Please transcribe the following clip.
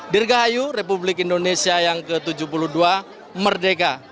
dirgahayu republik indonesia yang ke tujuh puluh dua merdeka